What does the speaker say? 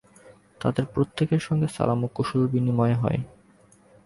তাঁদের প্রত্যেকের সঙ্গে সালাম ও কুশল বিনিময় হয়।